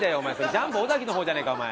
ジャンボ尾崎の方じゃねえか。